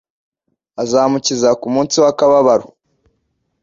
Azamukiza kumunsi wakababaro